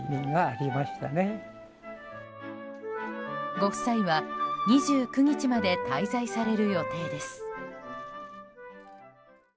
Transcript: ご夫妻は２９日まで滞在される予定です。